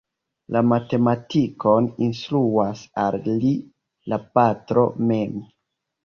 La matematikon instruas al li la patro mem.